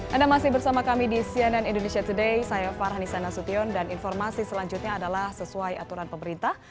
anda masih bersama kami di cnn indonesia today saya farhanisa nasution dan informasi selanjutnya adalah sesuai aturan pemerintah